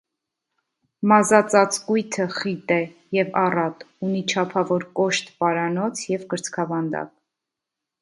Մազածածկույթը խիտ է և առատ, ունի չափավոր կոշտ պարանոց և կրծքավանդակ։